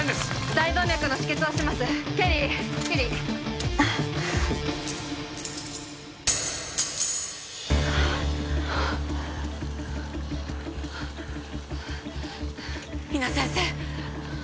大動脈の止血をしますケリーケリー比奈先生